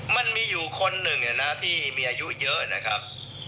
มันมีอยู่คนหนึ่งที่มีอายุเยอะนะครับ